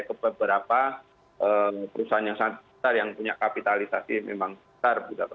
ke beberapa perusahaan yang sangat besar yang punya kapitalisasi memang besar